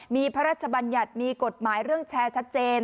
มีพระราชบัญญัติมีกฎหมายเรื่องแชร์ชัดเจน